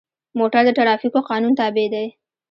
موټر د ټرافیکو قانون تابع دی.